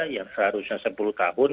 yang seharusnya sepuluh tahun